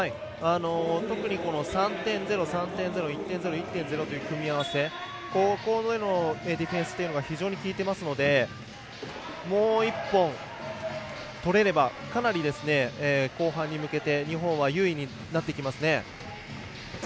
特に３．０、３．０１．０、１．０という組み合わせでのディフェンスが非常に効いてますのでもう１本、とれればかなり、後半に向けて日本は優位になってきますね。